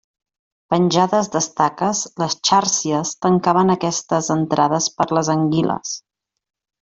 Penjades d'estaques, les xàrcies tancaven aquestes entrades per a les anguiles.